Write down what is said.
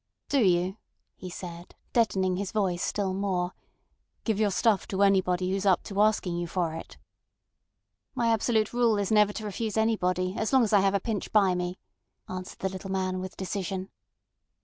"Do you," he said, deadening his voice still more, "give your stuff to anybody who's up to asking you for it?" "My absolute rule is never to refuse anybody—as long as I have a pinch by me," answered the little man with decision.